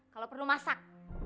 kalau perlu masak